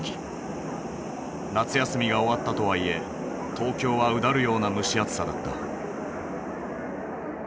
夏休みが終わったとはいえ東京はうだるような蒸し暑さだった。